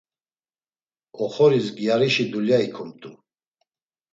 Oxoris gyarişi dulya ikumt̆u.